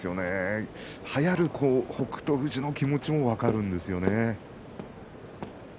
はやる北勝富士の気持ちも分かります。